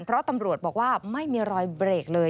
เพราะตำรวจบอกว่าไม่มีรอยเบรกเลย